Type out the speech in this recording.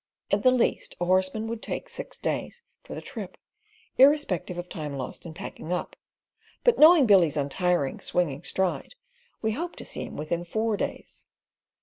At the least a horseman would take six days for the trip, irrespective of time lost in packing up; but knowing Billy's untiring, swinging stride, we hoped to see him within four days.